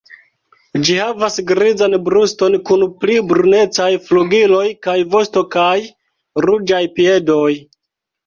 Ĝi havas grizan bruston kun pli brunecaj flugiloj kaj vosto kaj ruĝaj piedoj.